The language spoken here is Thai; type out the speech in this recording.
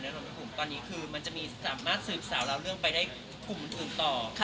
แน่นอนว่าตอนนี้คือมันจะมีสามารถสืบสาวแล้วเรื่องไปได้กลุ่มอื่นต่อค่ะ